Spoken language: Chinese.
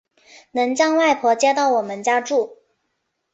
能将外婆接到我们家住